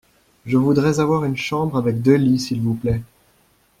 Je voudrais avoir une chambre avec deux lits s’il vous plait.